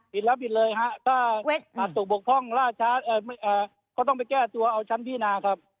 ปิดแล้วปิดเลยฮะถ้าถูกบกพ่องล่าช้าเอ่อไม่เอ่อก็ต้องไปแก้ตัวเอาชั้นพี่นาครับ